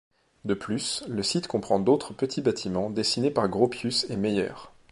De plus, le site comprend d'autre petits bâtiments dessinés par Gropius et Meyer.